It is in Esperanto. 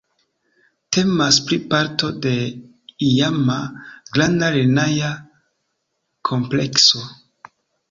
Temas pli parto de iama, granda lerneja komplekso.